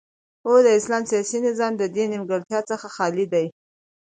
او د اسلام سیاسی نظام ددی نیمګړتیاو څخه خالی دی